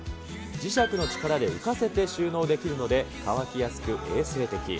磁石の力で浮かせて収納できるので、乾きやすく衛生的。